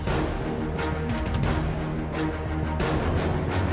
สวัสดีที่รับส